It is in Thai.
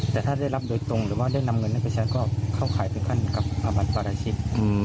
แต่ถ้าได้รับโดยตรงหรือว่าได้นำเงินนั้นไปใช้ก็เข้าขายถึงขั้นกับอาบัติปราชิก